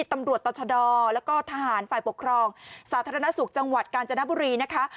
ตำรวจต่อชะดอแล้วก็ทหารฝ่ายปกครองสาธารณสุขจังหวัดกาญจนบุรีนะคะ